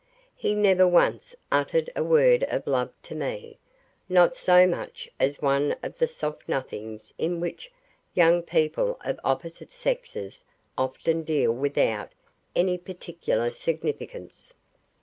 He never once uttered a word of love to me not so much as one of the soft nothings in which young people of opposite sexes often deal without any particular significance.